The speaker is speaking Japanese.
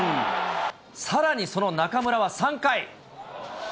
さらにその中村は３回。